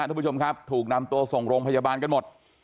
ทุกผู้ชมครับถูกนำตัวส่งโรงพยาบาลกันหมด